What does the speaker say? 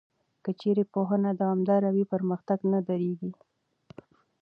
که چېرې پوهنه دوامداره وي، پرمختګ نه درېږي.